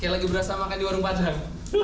kayak lagi berasa makan di warung padang